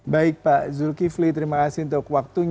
baik pak zulkifli terima kasih untuk waktunya